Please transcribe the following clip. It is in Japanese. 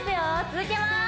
続けます